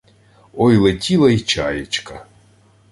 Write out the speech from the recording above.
Ой летіла й чаєчка